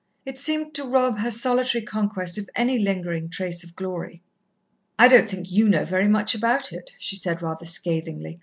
It seemed to rob her solitary conquest of any lingering trace of glory. "I don't think you know very much about it," she said rather scathingly.